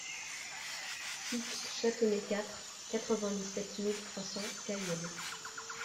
Cite Chatenay quatre, quatre-vingt-dix-sept mille trois cents Cayenne